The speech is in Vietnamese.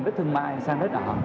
đất thương mại sang đất đỏ